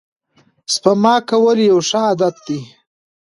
سپما کول یو ښه عادت دی.